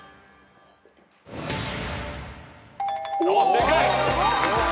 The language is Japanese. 正解！